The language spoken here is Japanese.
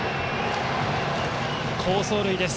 好走塁です。